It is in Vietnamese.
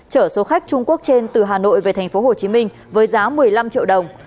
chở số khách trung quốc trên từ hà nội về tp hcm với giá một mươi năm triệu đồng